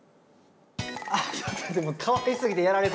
あっちょっとでもかわいすぎてやられて。